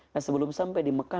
nah sebelum sampai di mekah